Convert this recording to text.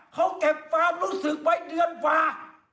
เขาเก็บฟังรุศึกไว้เดือนฟา